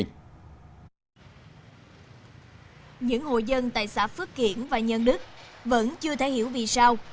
những hội dân tại xã phước kiển và nhân đức vẫn chưa thể hiểu vì sao